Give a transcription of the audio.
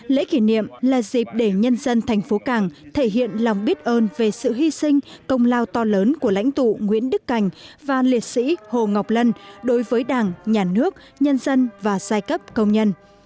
lễ kỷ niệm là dịp để nhân dân thành phố càng thể hiện lòng biết ơn về sự hy sinh công lao to lớn của lãnh tụ nguyễn đức cảnh và liệt sĩ hồ ngọc lân đối với đảng nhà nước nhân dân và giai cấp công nhân